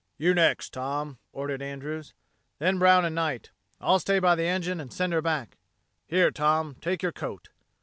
"You next, Tom," ordered Andrews. "Then Brown and Knight. I'll stay by the engine and send her back. Here, Tom, take your coat."